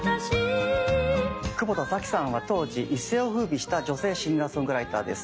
久保田早紀さんは当時一世をふうびした女性シンガーソングライターです。